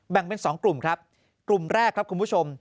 เป็น๒กลุ่มครับกลุ่มแรกครับคุณผู้ชม